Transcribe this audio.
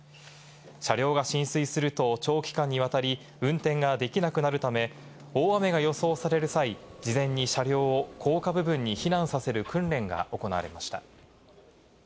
車両が浸水すると長期間にわたり運転ができなくなるため、大雨が予想される際、事前に車両を高架部分に避難させる訓練が行われました。